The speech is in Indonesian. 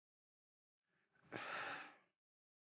baik kita akan berjalan